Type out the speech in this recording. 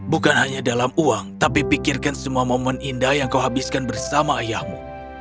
bukan hanya dalam uang tapi pikirkan semua momen indah yang kau habiskan bersama ayahmu